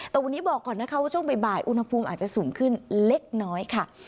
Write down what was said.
แต่วันนี้บอกก่อนนะคะว่าช่วงบ่ายอุณหภูมิอาจจะสูงขึ้นเล็กน้อยค่ะ